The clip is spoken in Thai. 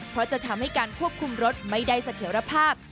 เพราะจะทำให้การควบคุมรถไม่ได้เสถียรภาพ